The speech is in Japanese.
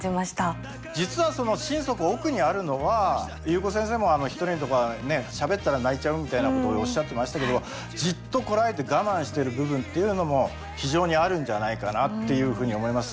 実はその心底奥にあるのは夕子先生も一人とかしゃべったら泣いちゃうみたいなことおっしゃってましたけどもじっとこらえて我慢してる部分っていうのも非常にあるんじゃないかなというふうに思います。